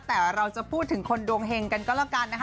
แต่เราจะพูดถึงคนดวงเฮงกันก็แล้วกันนะคะ